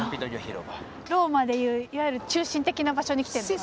ローマでいういわゆる中心的な場所に来てるのかな。